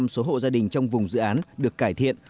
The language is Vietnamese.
chín mươi bảy số hộ gia đình trong vùng dự án được cải thiện